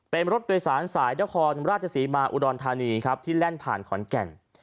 เป็นรถโดยสารสายนครราชศรีมาอุดรธานีครับที่แล่นผ่านขอนแก่น